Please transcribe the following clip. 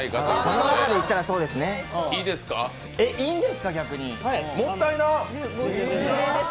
この中で言ったらそうですね、でもいいんですか。